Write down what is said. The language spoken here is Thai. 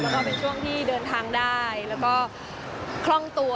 แล้วก็เป็นช่วงที่เดินทางได้แล้วก็คล่องตัว